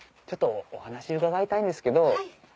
ちょっとお話伺いたいんですけど。